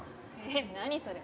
・えっ何それ？